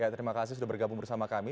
terima kasih sudah bergabung bersama kami